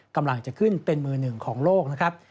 กำลังจะขึ้นเป็นมือหนึ่งของโลกนะครับ